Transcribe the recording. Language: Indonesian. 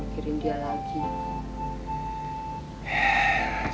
biar dia lagi